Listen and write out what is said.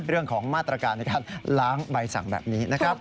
เรื่องของมาตรการในการล้างใบสั่งแบบนี้นะครับ